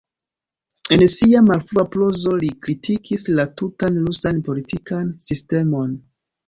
En sia malfrua prozo, li kritikis la tutan rusan politikan sistemon.